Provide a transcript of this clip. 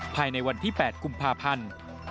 ภายในวันที่๘กุมภาพันธ์